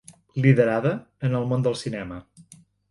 Liderada, en el món del cinema.